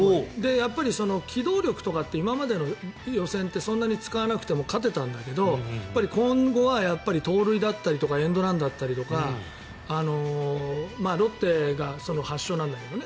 やっぱり機動力とかって今までの予選ってそんなに使わなくても勝てたんだけど今後は盗塁だったりとかエンドランだったりとかロッテが発祥なんだけどね